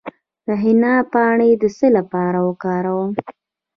د حنا پاڼې د څه لپاره وکاروم؟